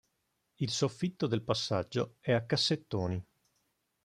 Il soffitto del passaggio è a cassettoni.